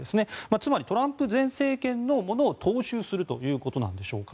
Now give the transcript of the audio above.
つまり、トランプ前政権のものを踏襲するということでしょうか。